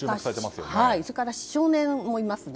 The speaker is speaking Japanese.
それから少年もいますね。